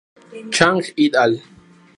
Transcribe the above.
Chang et al.